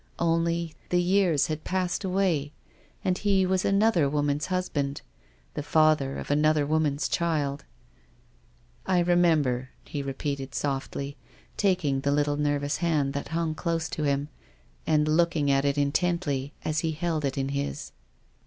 Only the years had passed away, and he was another woman's husband, the father of another woman's child. " I remember," he repeated softly, taking the little anaemic hand that hung close to him, and looking at it intently as he held it in his.